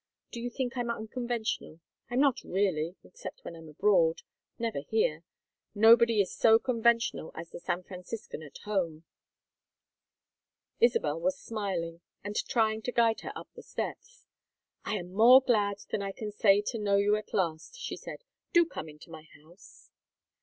Do you think I'm unconventional? I'm not really, except when I'm abroad never here. Nobody is so conventional as the San Franciscan at home." Isabel was smiling and trying to guide her up the steps. "I am more glad than I can say to know you, at last," she said. "Do come into my house."